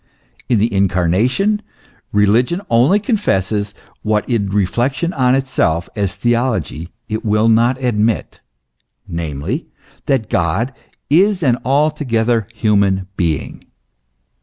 In the Incarnation religion only confesses, what in reflection on itself, as theo logy, it will not admit; namely, that God is an altogether human being.